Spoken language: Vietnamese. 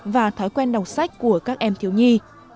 và thói quen đọc sách của các em thiếu nhi